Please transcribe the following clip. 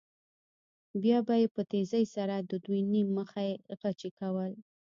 بیا به یې په تېزۍ سره د دوی نیم مخي غچي کول.